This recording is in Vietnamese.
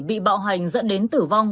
bị bạo hành dẫn đến tử vong